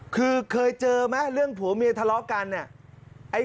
คือเคยเจอไหมเรื่องผัวเมียทะเลาะกันเนี่ย